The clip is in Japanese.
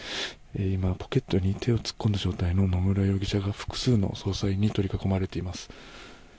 今、ポケットに手を突っ込んだ状態の野村容疑者が複数の捜査員に取り囲まれています。